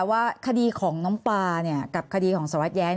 ว่าคดีของน้องปลากับคดีของสารวัตรแย้